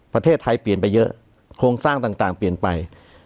ประเทศไทยเปลี่ยนไปเยอะโครงสร้างต่างเปลี่ยนไป